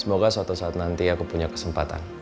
semoga suatu saat nanti aku punya kesempatan